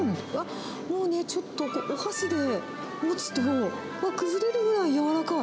もうね、ちょっとお箸で持つと崩れるぐらいやわらかい。